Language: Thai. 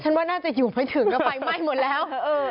จนว่าน่าจะหยุดไม่ถึงก็ไฟไม่หมดแล้ว